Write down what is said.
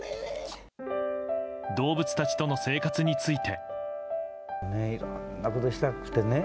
動物たちとの生活について。